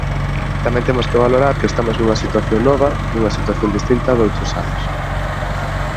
Tamén temos que valorar que estamos nunha situación nova, nunha situación distinta doutros anos.